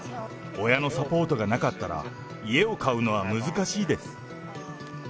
親のサポートがなかったら、家を買うのは難しいです。